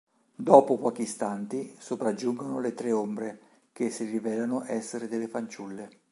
Dopo pochi istanti sopraggiungono le tre ombre, che si rivelano essere delle fanciulle.